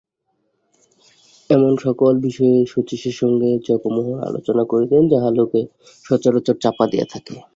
এমন-সকল বিষয়ে শচীশের সঙ্গে জগমোহন আলোচনা করিতেন যাহা লোকে সচরাচর চাপা দিয়া থাকে।